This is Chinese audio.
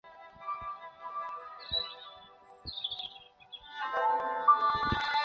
内政部民政司是中华民国内政部下属机关。